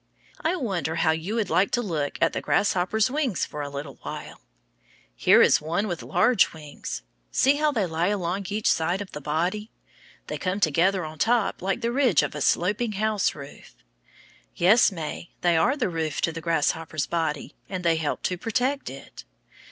I wonder how you would like to look at the grasshopper's wings for a little while. Here is one with large wings. See how they lie along each side of the body. They come together on top like the ridge of a sloping house roof. Yes, May, they are the roof to the grasshopper's body, and they help to protect it.